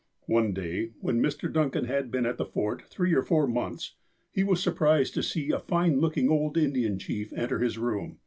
One day, when Mr. Duncan had been at the Fort three or four months, he was surprised to see a fine looking old Indian chief enter his room.